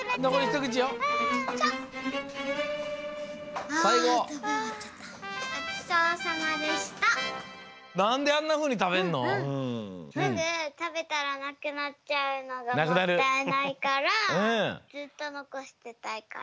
すぐ食べたらなくなっちゃうのがもったいないからずっと残してたいから。